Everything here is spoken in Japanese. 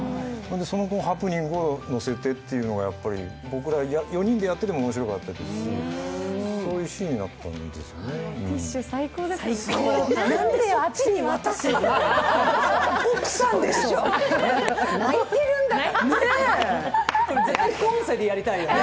そのハプニングをのせてっていうのが、僕ら４人でやってても面白かったし、そういうシーンだったんですよね。